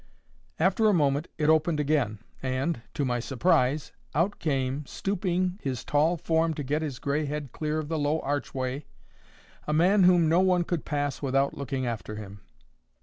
After a moment it opened again, and, to my surprise, out came, stooping his tall form to get his gray head clear of the low archway, a man whom no one could pass without looking after him.